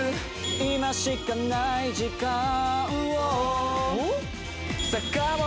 「今しかない時間を」